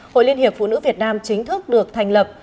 hội liên hiệp phụ nữ việt nam chính thức được thành lập